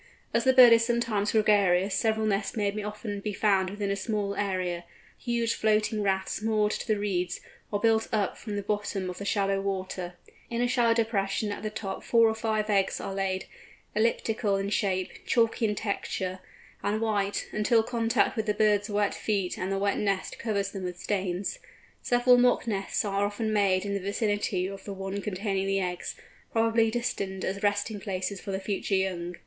As the bird is sometimes gregarious several nests may often be found within a small area—huge floating rafts moored to the reeds, or built up from the bottom of the shallow water. In a shallow depression at the top four or five eggs are laid, elliptical in shape, chalky in texture, and white, until contact with the bird's wet feet and the wet nest covers them with stains. Several mock nests are often made in the vicinity of the one containing the eggs, probably destined as resting places for the future young.